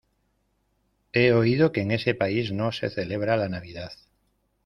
He oído que en ese país no se celebra la Navidad.